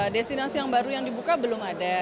destinasi yang baru yang dibuka belum ada